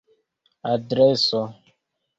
adreso